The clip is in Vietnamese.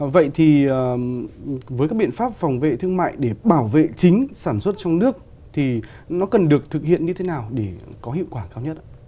vậy thì với các biện pháp phòng vệ thương mại để bảo vệ chính sản xuất trong nước thì nó cần được thực hiện như thế nào để có hiệu quả cao nhất ạ